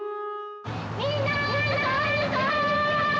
みんなこんにちは！